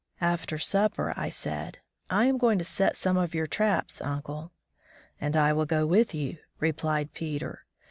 After supper I said, "I am going to set some of your traps, uncle." "And I will go with you," replied Peter.